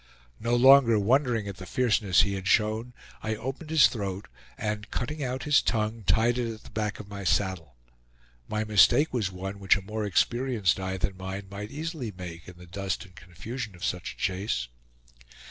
No longer wondering at the fierceness he had shown, I opened his throat and cutting out his tongue, tied it at the back of my saddle. My mistake was one which a more experienced eye than mine might easily make in the dust and confusion of such a chase.